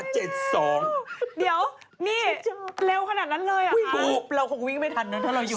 เดี๋ยวนี่เร็วขนาดนั้นเลยอ่ะถูกเราคงวิ่งไม่ทันนะถ้าเราอยู่